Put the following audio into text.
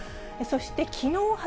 そしてきのう